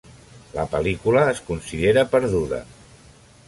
La pel·lícula es considera perduda.